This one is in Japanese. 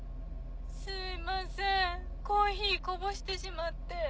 すいませんコーヒーこぼしてしまって。